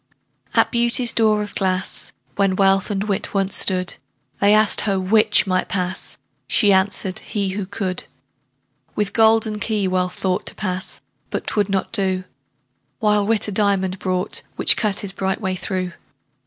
At Beauty's door of glass, When Wealth and Wit once stood, They asked her 'which might pass?" She answered, "he, who could." With golden key Wealth thought To pass but 'twould not do: While Wit a diamond brought, Which cut his bright way through.